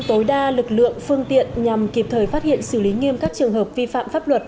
tối đa lực lượng phương tiện nhằm kịp thời phát hiện xử lý nghiêm các trường hợp vi phạm pháp luật